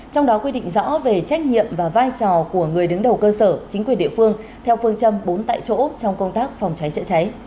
trong đó quy định rõ về trách nhiệm và vai trò của người đứng đầu cơ sở chính quyền địa phương theo phương châm bốn tại chỗ trong công tác phòng cháy chữa cháy